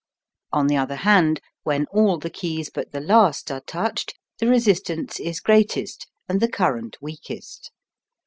On the other hand, when all the keys but the last are touched, the resistance is greatest and the current weakest.